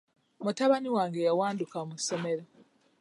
Mutabani wange yawanduka mu ssomero.